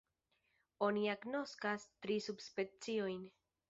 Oni agnoskas tri subspeciojn.